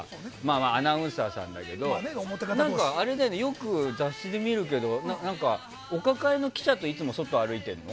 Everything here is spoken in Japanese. アナウンサーさんだけどよく雑誌で見るけどお抱えの記者といつも外歩いてるの？